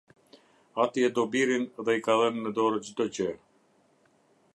Ati e do Birin dhe i ka dhënë në dorë çdo gjë.